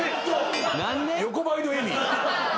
横ばいの笑み。